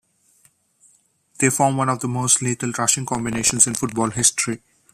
They formed one of the most lethal rushing combinations in football history.